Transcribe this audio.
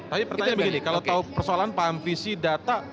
tapi pertanyaan begini kalau tahu persoalan paham visi data